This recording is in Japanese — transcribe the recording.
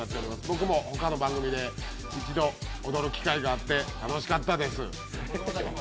僕もほかの番組で一度、踊る機会があって楽しかったです。